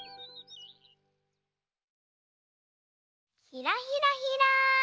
ひらひらひら。